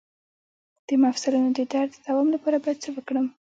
د مفصلونو د درد د دوام لپاره باید څه وکړم؟